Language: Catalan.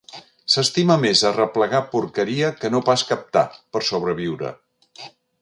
S'estima més arreplegar porqueria que no pas captar, per sobreviure.